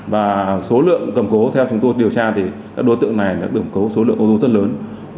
và số lượng cầm cố theo chúng tôi điều tra thì các đối tượng này đã được cấu số lượng ô tô rất lớn